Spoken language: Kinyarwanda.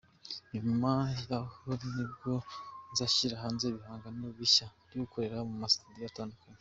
Nyuma y’aho nibwo nzashyira hanze ibihangano bishya ndigukorera mu ma studio atandukanye.